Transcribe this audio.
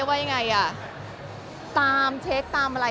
ชื่อว่าอย่างไรสามเช็คตามอะไร